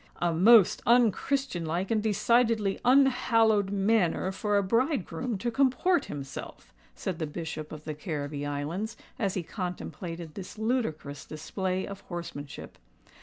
"A most un christianlike and decidedly unhallowed manner for a bridegroom to comport himself," said the Bishop of the Carribbee Islands, as he contemplated this ludicrous display of horsemanship.